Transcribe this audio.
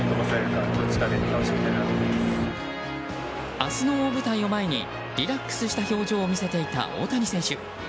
明日の大舞台を前にリラックスした表情を見せていた大谷選手。